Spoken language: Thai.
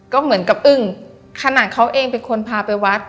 ก็เหมือนกับอึ้งขนาดเขาเองเป็นคนพาไปวัด